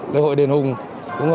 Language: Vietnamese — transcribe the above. lễ hội đền hùng